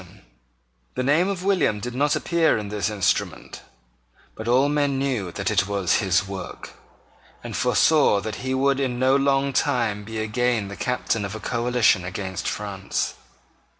The name of William did not appear in this instrument: but all men knew that it was his work, and foresaw that he would in no long time be again the captain of a coalition against France.